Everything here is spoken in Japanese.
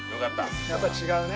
やっぱ違うね。